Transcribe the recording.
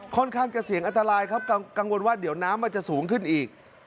ค่อนข้างจะเสี่ยงอันตรายครับกังวลว่าเดี๋ยวน้ำมันจะสูงขึ้นอีก